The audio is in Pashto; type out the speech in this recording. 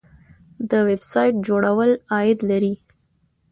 د ویب سایټ جوړول عاید لري